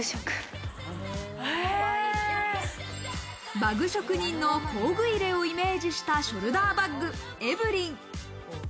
馬具職人の工具入れをイメージしたショルダーバッグ、エヴリン。